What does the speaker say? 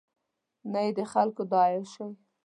نه یې د خلکو دا عیاشۍ.